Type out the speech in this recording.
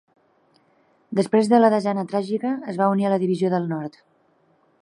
Després de la desena tràgica es va unir a la Divisió del Nord.